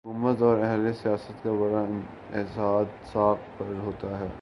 حکومت اوراہل سیاست کا بڑا انحصار ساکھ پر ہوتا ہے۔